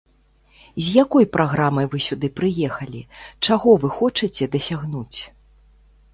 З якой праграмай вы сюды прыехалі, чаго вы хочаце дасягнуць?